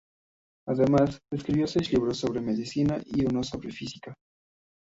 Además, escribió seis libros sobre medicina y uno sobre física.